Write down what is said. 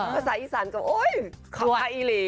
ภาษาอีสันก็โอ๊ยภาษาไอลี